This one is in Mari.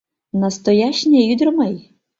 Настоящне ӱдыр мый...